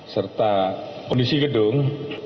serta kondisi gedung